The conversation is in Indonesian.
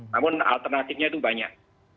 namun alternatifnya itu banyak